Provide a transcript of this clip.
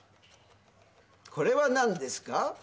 これはなんですか？